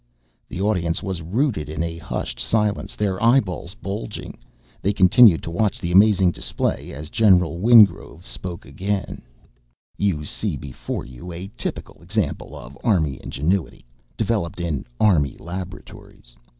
The audience was rooted in a hushed silence, their eyeballs bulging. They continued to watch the amazing display as General Wingrove spoke again: "You see before you a typical example of Army ingenuity, developed in Army laboratories.